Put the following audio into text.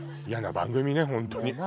やな番組ね本当に。